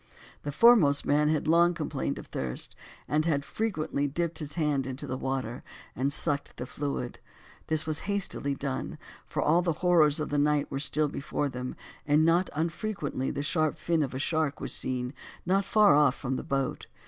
The foremost man had long complained of thirst, and had frequently dipped his hand into the water, and sucked the fluid; this was hastily done, for all the horrors of the night were still before them, and not unfrequently the sharp fin of a shark was seen not very far from the boat.